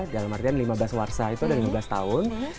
dalam artian lima belas warsa itu ada lima belas tahun